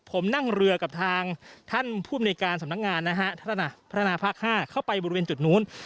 ผมนั่งเรือกับทางท่านภูมิในการสำนักงานนะฮะพัฒนาภาค๕เข้าไปบริเวณจุดนู้น